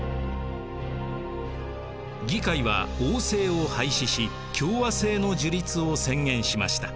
議会は王政を廃止し共和政の樹立を宣言しました。